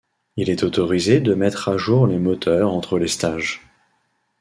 Il est autorisé de mettre à jour les moteurs entre les stages.